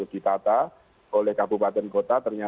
kau boleh panggil sama mereka